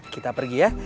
kita pergi ya